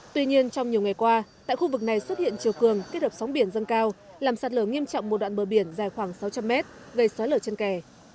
tuy nhiên trong nhiều ngày qua tại khu vực này xuất hiện chiều cường kết hợp sóng biển dâng cao làm sạt lở nghiêm trọng một đoạn bờ biển dài khoảng sáu trăm linh mét gây xói lở chân kè